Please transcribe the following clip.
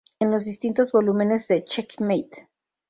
En los distintos volúmenes de "Checkmate!